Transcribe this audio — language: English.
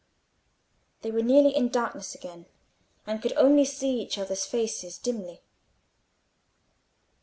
They were nearly in darkness again, and could only see each other's faces dimly.